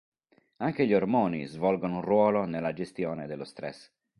Anche gli ormoni svolgono un ruolo nella gestione dello stress.